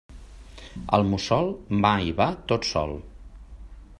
El mussol mai va tot sol.